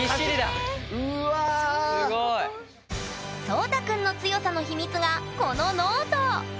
そうた君の強さの秘密がこのノート！